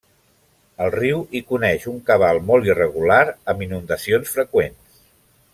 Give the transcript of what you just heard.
El riu hi coneix un cabal molt irregular amb inundacions freqüents.